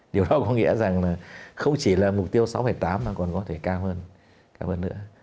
điều đó có nghĩa rằng là không chỉ là mục tiêu sáu tám mà còn có thể cao hơn cao hơn nữa